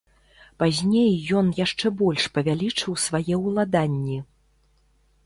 Пазней ён яшчэ больш павялічыў свае ўладанні.